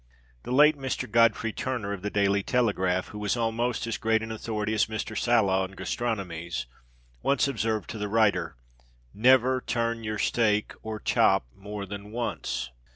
The late Mr. Godfrey Turner of the Daily Telegraph (who was almost as great an authority as Mr. Sala on gastronomies) once observed to the writer, "Never turn your steak, or chop, more than once."